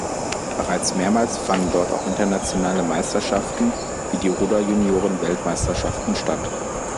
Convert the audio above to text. Bereits mehrmals fanden dort auch internationale Meisterschaften wie die Ruder-Juniorenweltmeisterschaften statt.